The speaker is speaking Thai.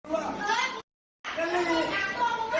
แต่ทำไมเรามันไม่ยุ่งด้วยพอครับ